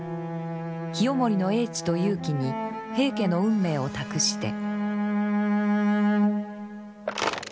清盛の英知と勇気に平家の運命を託して。